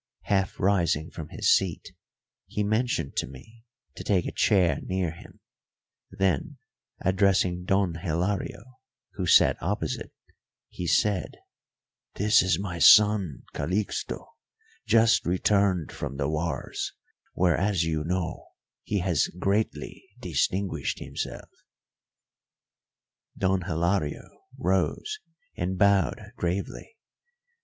Half rising from his seat, he mentioned to me to take a chair near him, then, addressing Don Hilario, who sat opposite, he said, "This is my son Calixto, just returned from the wars, where, as you know, he has greatly distinguished himself." Don Hilario rose and bowed gravely.